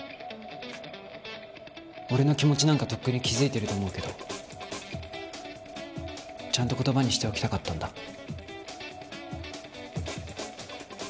俺の気持ちなんかとっくに気づいてると思うけどちゃんと言葉にしておきたかったんだ。